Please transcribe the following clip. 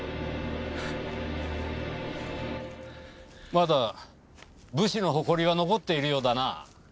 まだ武士の誇りは残っているようだな。